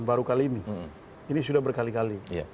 baru kali ini ini sudah berkali kali